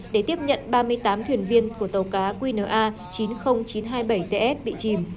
để tiếp nhận ba mươi tám thuyền viên của tàu cá qna chín mươi nghìn chín trăm hai mươi bảy ts bị chìm